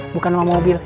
bukan sama mobil